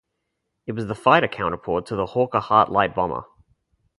It was the fighter counterpart to the Hawker Hart light bomber.